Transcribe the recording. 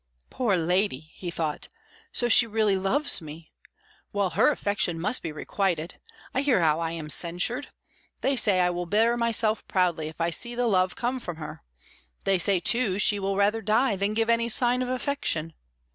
"Poor lady!" he thought. "So she really loves me! Well, her affection must be requited. I hear how I am censured. They say I will bear myself proudly if I see the love come from her. They say, too, she will rather die than give any sign of affection....